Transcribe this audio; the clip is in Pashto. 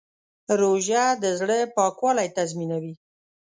روژه د زړه پاکوالی تضمینوي.